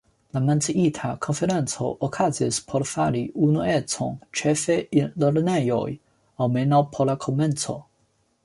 La menciita konferenco okazis por fari unuecon ĉefe en lernejoj, almenaŭ por la komenco.